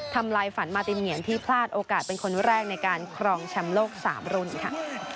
ทำลายฝันมาตินเหงียนที่พลาดโอกาสเป็นคนแรกในการครองแชมป์โลก๓รุ่นค่ะ